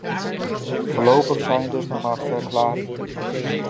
Voorlopig zijn het dus nog maar verklaringen.